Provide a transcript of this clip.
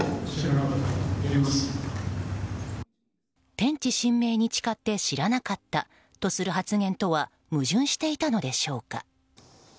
天地神明に誓って知らなかったとする発言とは矛盾していたのでしょうか。